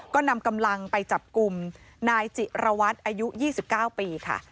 ก็นำกำลังไปจับกลุ่มนายจิระวัตรอายุ๒๙ปีค่ะ